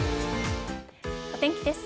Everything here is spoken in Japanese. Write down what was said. お天気です。